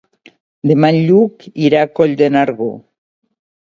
Demà en Lluc irà a Coll de Nargó.